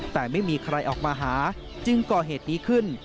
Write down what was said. แต่ไม่มีใครออกมาหาจึงก่อเหตุนี้ขึ้น